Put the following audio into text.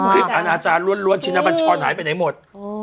อาณาจารย์ล้วนชินบัญชรหายไปไหนหมด